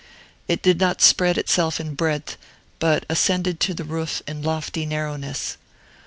It did not spread itself in breadth, but ascended to the roof in lofty narrowness.